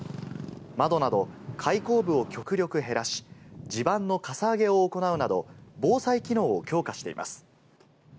窓など開口部を極力減らし、地盤のかさ上げを行うなど、防災機能を強化しています。